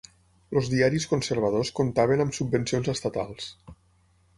Els diaris conservadors comptaven amb subvencions estatals.